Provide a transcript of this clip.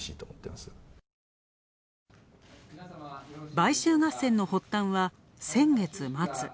買収合戦の発端は、先月末。